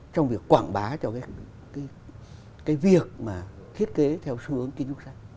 trong việc quảng bá cho cái việc mà thiết kế theo xu hướng kiến trúc xanh